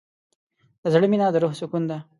د زړه مینه د روح سکون ده.